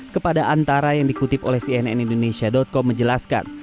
kepada antara yang dikutip oleh cnn indonesia com menjelaskan